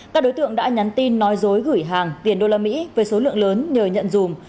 các đối tượng đã nhắn tin nói dối gửi hàng tiền đô la mỹ với số lượng lớn nhờ nhận dùm